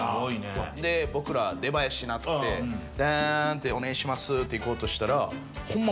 僕ら出ばやし鳴ってだんってお願いしますって行こうとしたらホンマ